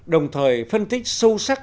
đồng thời phân tích sâu sắc